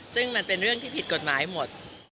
ซึ่งมันเป็นเรื่องที่ผิดกฎหมายหมด